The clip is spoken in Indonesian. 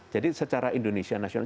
jadi secara indonesia nasional